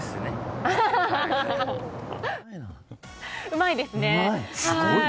うまいですね。